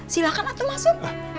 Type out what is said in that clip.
silahkan atu masuk